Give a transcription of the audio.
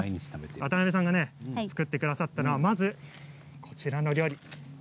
渡辺さんが作ってくれたのはこちらの料理。